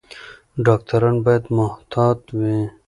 ډاکټران باید محتاط وي.